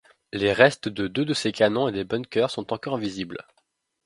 Les restes de deux de ces canons et des bunkers sont encore visibles.